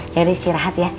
ya istirahat ya